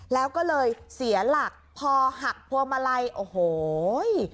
แล้วก็เลยเสียหลักพอหักพวงมาลัยโอ้โห